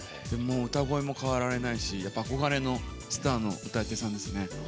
歌声も変わられないし憧れのスターの歌い手さんですね。